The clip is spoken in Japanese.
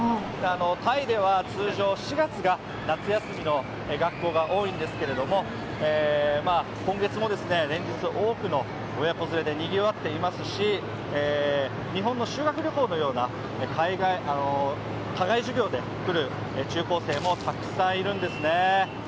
タイでは通常、４月が夏休みの学校が多いんですけど、今月も連日、多くの親子連れでにぎわっていますし日本の修学旅行のような課外授業で来る中高生もいっぱいいるんですね